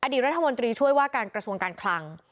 รัฐมนตรีช่วยว่าการกระทรวงการคลัง